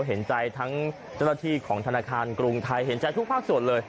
เห็นใจทั้งเจ้าหน้าที่ของธนาคารกรุงไทยเห็นใจทุกภาคส่วนเลย